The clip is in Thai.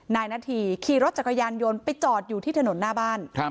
นายนาธีขี่รถจักรยานยนต์ไปจอดอยู่ที่ถนนหน้าบ้าน